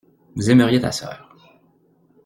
Vous aimeriez ta sœur.